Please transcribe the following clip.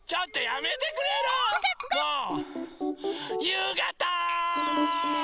ゆうがた！